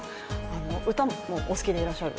歌もお好きでいらっしゃる？